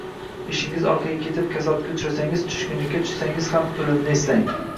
Ishingiz orqaga ketib, kasodga uchrasangiz, tushkunlikka tushsangiz ham o‘limni eslang.